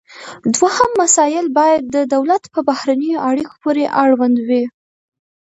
دوهم مسایل باید د دولت په بهرنیو اړیکو پورې اړوند وي